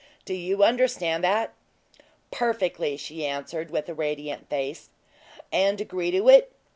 Do you understand that?" "Perfectly," she answered, with a radiant face. "And agree to it?"